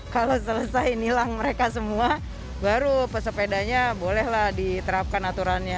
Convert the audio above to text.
kalau selesai nilang mereka semua baru pesepedanya bolehlah diterapkan aturannya